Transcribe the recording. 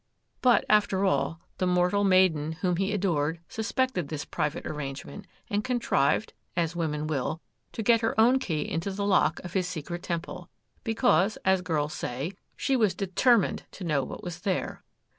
But, after all, the mortal maiden whom he adored suspected this private arrangement, and contrived—as women will—to get her own key into the lock of his secret temple; because, as girls say, 'she was determined to know what was there.